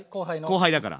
後輩だから。